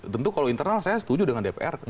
tentu kalau internal saya setuju dengan dpr